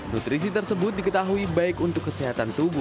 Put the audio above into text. nutrisi tersebut diketahui baik untuk kesehatan tubuh